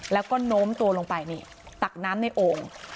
แล้วก็โน้มตัวลงไปนี่ตักน้ำในโอ่ง